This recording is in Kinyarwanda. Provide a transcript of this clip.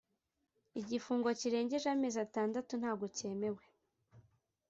igifungo kirengeje amezi atandatu ntago cyemewe